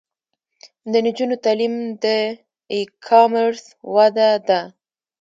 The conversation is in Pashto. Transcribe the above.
د نجونو تعلیم د ای کامرس وده ده.